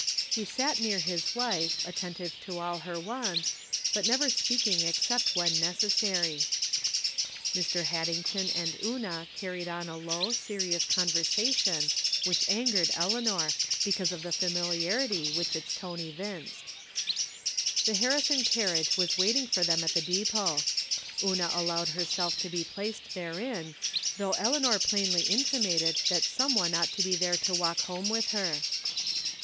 He sat near his wife, attentive to all her wants, but never speaking except when necessary. Mr. Haddington and Una carried on a low, 285 286 From Different Standpoints. serious conversation, 'which angered Eleanor, be cause of the famiUarity which its tone evinced. The Harrison carriage was waiting for them at the depot. Una allowed herself to be placed therein, though Eleanor plainly intimated that some one ought to be there to walk home V7ith her.